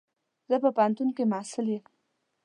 زه په پوهنتون کي محصل يم.